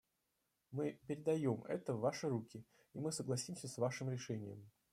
Мы передаем это в ваши руки, и мы согласимся с вашим решением.